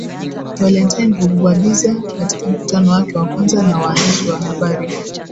Valentine Rugwabiza katika mkutano wake wa kwanza na waandishi wa habari